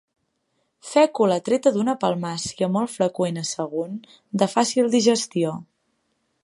Fècula treta d'una palmàcia molt freqüent a Sagunt, de fàcil digestió.